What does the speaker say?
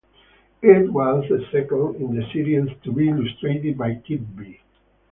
It was the second in the series to be illustrated by Kidby.